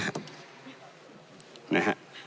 นะฮะ